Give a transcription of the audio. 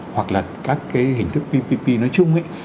hoặc là các cái hình thức ppp nói chung ấy